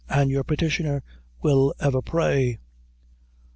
And your petitioner will ever pray."